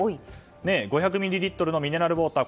５００ミリリットルのミネラルウォーター